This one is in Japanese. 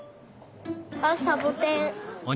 あっサボテン。